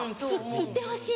言ってほしい。